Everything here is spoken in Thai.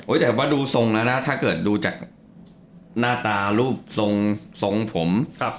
แต่ว่าดูทรงแล้วนะถ้าเกิดดูจากหน้าตารูปทรงผม